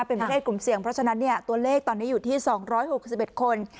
เป็นประเทศกลุ่มเสี่ยงเพราะฉะนั้นตัวเลขตอนนี้อยู่ที่๒๖๑คน